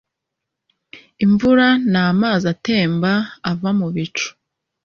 Imvura namazi atemba ava mubicu